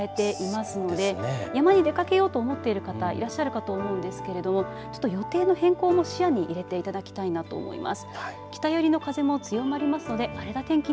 今は紅葉のシーズンを迎えていますので山に出かけようと思っている方いらっしゃると思うんですけれども予定の変更も視野に入れていただきたいなと思います。